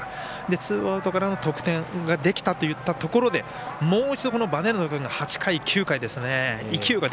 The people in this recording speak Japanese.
ツーアウトからの得点ができたといったところでもう一度、ヴァデルナ君の８回、９回ですよね。